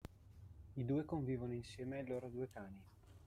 I due convivono insieme ai loro due cani.